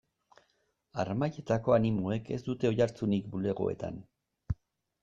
Harmailetako animoek ez dute oihartzunik bulegoetan.